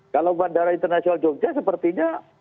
kalau bandara internasional jogja sepertinya